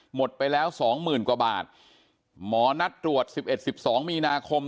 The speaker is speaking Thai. หมดไปแล้วสองหมื่นกว่าบาทหมอนัดตรวจ๑๑๑๒มีนาคม